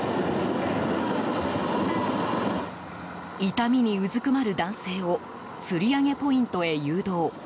痛みにうずくまる男性をつり上げポイントへ誘導。